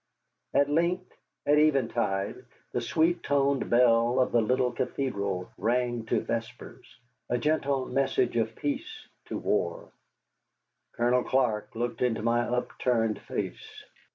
At length, at eventide, the sweet toned bell of the little cathedral rang to vespers, a gentle message of peace to war. Colonel Clark looked into my upturned face.